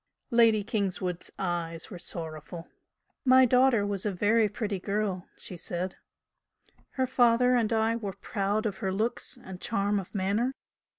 Lady Kingswood's eyes were sorrowful. "My daughter was a very pretty girl," she said "Her father and I were proud of her looks and her charm of manner.